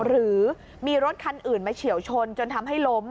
หรือมีรถคันอื่นมาเฉียวชนจนทำให้ล้ม